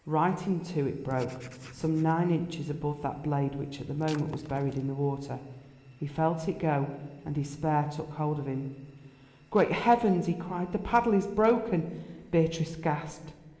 Right in two it broke, some nine inches above that blade which at the moment was buried in the water. He felt it go, and despair took hold of him. "Great heavens!" he cried, "the paddle is broken." Beatrice gasped.